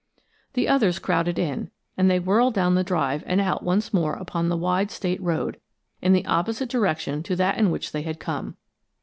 The others crowded in, and they whirled down the drive and out once more upon the wide State road, in the opposite direction to that in which they had come.